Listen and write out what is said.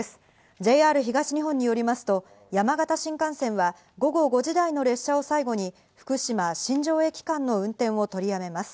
ＪＲ東日本によりますと山形新幹線は午後５時台の列車を最後に福島−新庄駅間の運転を取りやめます。